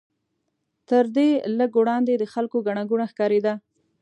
تر دې لږ وړاندې د خلکو ګڼه ګوڼه ښکارېده.